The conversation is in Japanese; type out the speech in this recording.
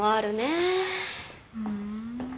ふん。